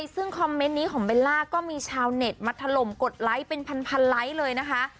ซึ่งคอมเมนต์นี้ของเบลล่าก็มีชาวเน็ตมาถล่มกดไลค์เป็นพันไลค์เลยนะคะ